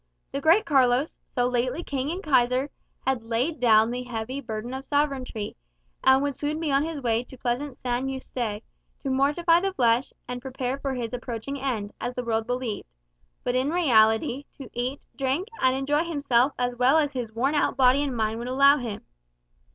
The great Carlos, so lately King and Kaiser, had laid down the heavy burden of sovereignty, and would soon be on his way to pleasant San Yuste, to mortify the flesh, and prepare for his approaching end, as the world believed; but in reality to eat, drink, and enjoy himself as well as his worn out body and mind would allow him.